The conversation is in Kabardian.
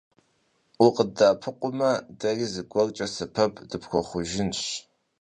УкъыддэӀэпыкъумэ, дэри зыгуэркӀэ сэбэп дыпхуэхъужынщ.